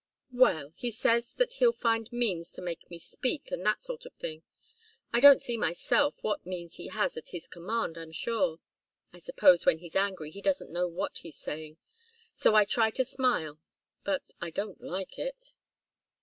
"Well he says that he'll find means to make me speak, and that sort of thing. I don't see myself what means he has at his command, I'm sure. I suppose when he's angry he doesn't know what he's saying. So I try to smile but I don't like it."